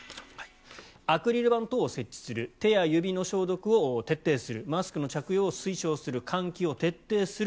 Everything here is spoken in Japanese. アクリル板等を設置する手や指の消毒を徹底するマスクの着用を推奨する換気を徹底する